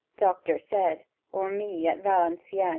Doctor said O' me at Valencieën.